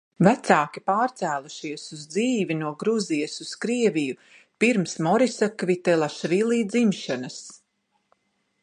Vecāki pārcēlušies uz dzīvi no Gruzijas uz Krieviju pirms Morisa Kvitelašvili dzimšanas.